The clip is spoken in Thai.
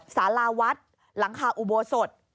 สาราวัดหลังคาอุโบสถ